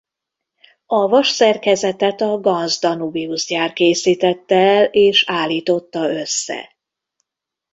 A vasszerkezetet a Ganz Danubius gyár készítette el és állította össze.